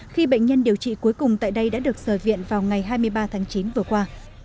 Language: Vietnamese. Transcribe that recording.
khi bệnh nhân điều trị cuối cùng tại đây đã được sở viện vào ngày hai mươi ba tháng chín vừa qua